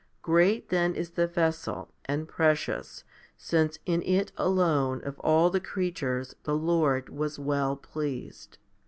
Great then is the vessel, and precious, since in it alone of all the creatures the Lord was well pleased.